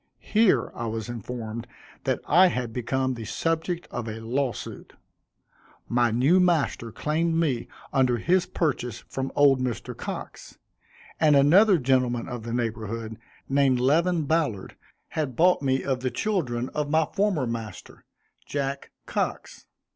Here, I was informed, that I had become the subject of a law suit. My new master claimed me under his purchase from old Mr. Cox; and another gentleman of the neighborhood, named Levin Ballard, had bought me of the children of my former master, Jack Cox.